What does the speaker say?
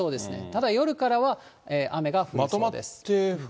ただ、夜からは雨が降りそうです。